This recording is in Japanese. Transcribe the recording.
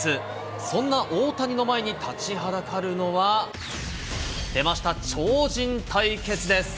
そんな大谷の前に立ちはだかるのは、出ました、超人対決です。